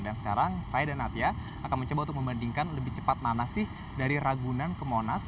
dan sekarang saya dan nadia akan mencoba untuk membandingkan lebih cepat nanas dari ragunan ke monas